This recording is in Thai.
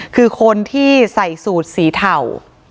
คือคนที่ใส่สูตรสีเทา